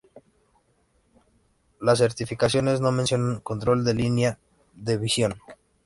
Las certificaciones no mencionan control de línea de visión.